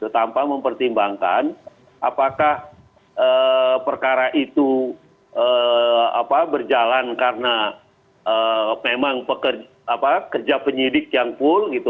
tanpa mempertimbangkan apakah perkara itu berjalan karena memang kerja penyidik yang full gitu